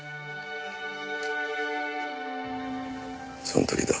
その時だ。